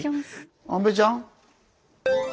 安部ちゃん？